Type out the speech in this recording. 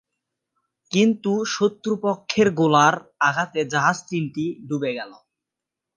কিন্তু শত্রুপক্ষের গোলার আঘাতে জাহাজ তিনটি ডুবে গেল।